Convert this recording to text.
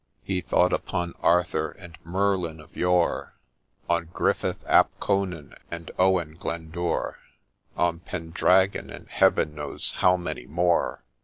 He thought upon Arthur, and Merlin of yore, On Gryffith ap Conan, and Owen Glendour ; On Pendragon, and Heaven knows how many more.